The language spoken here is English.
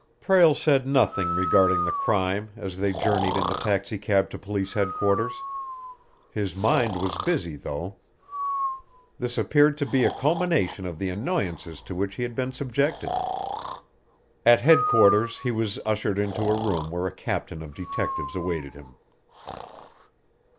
Prale said nothing regarding the crime as they journeyed in the taxicab to police headquarters. His mind was busy, though. This appeared to be a culmination of the annoyances to which he had been subjected. At headquarters he was ushered into a room where a captain of detectives awaited him.